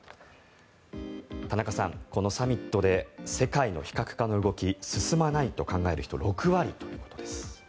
田中さん、このサミットで世界の非核化の動き進まないと考える人が６割ということです。